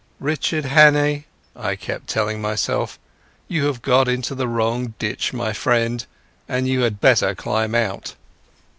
"Richard Hannay," I kept telling myself, "you have got into the wrong ditch, my friend, and you had better climb out."